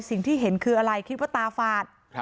สิ่งที่เห็นคืออะไรคิดว่าตาฝาด